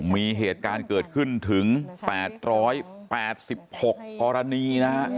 มีเหตุการณ์เกิดขึ้นถึง๘๘๖กรณีนะฮะ